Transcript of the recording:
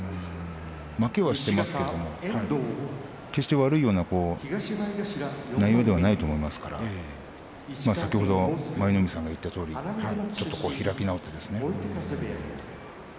負けはしていますけれど決して悪いような内容ではないと思いますから先ほど舞の海さんが言ったとおりちょっと開き直ってですね